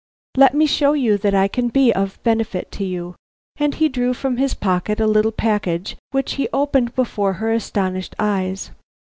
Let me show you that I can be of benefit to you." And he drew from his pocket a little package which he opened before her astonished eyes.